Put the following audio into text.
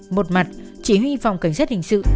một mặt chỉ huy phòng cảnh sát hình sự